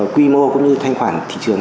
quy mô cũng như thanh khoản thị trường